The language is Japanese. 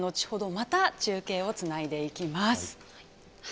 また中継をつないでいきます。